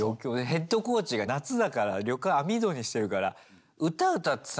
ヘッドコーチが夏だから旅館網戸にしてるから「歌歌ってたな」っつって。